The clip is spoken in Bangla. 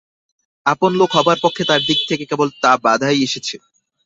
আপন লোক হবার পক্ষে তার দিক থেকে কেবল তো বাধাই এসেছে।